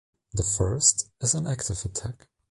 The first is an active attack.